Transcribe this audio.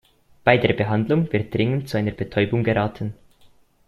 Bei der Behandlung wird dringend zu einer Betäubung geraten.